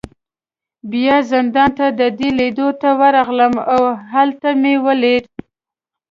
بیا زندان ته د ده لیدو ته ورغلم، او هلته مې ولید.